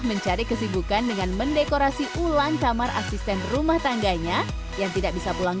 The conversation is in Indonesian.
mencari kesibukan dengan mendekorasi ulang kamar asisten rumah tangganya yang tidak bisa pulang